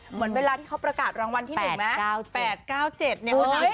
เหมือนเวลาที่เขาประกาศรางวัลที่๑ไหม